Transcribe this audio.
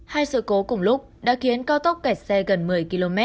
hai sự cố cùng lúc đã khiến cao tốc kẹt xe gần một mươi km